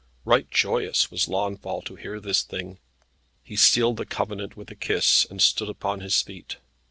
Right joyous was Launfal to hear this thing. He sealed the covenant with a kiss, and stood upon his feet.